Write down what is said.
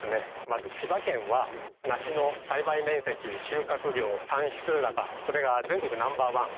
まず千葉県は梨の栽培面積収穫量産出高これが全国ナンバーワン。